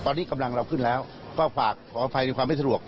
ตอนนี้กำลังเราขึ้นแล้วก็ฝากขออภัยในความไม่สะดวก